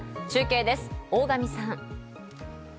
中継です、大神さん。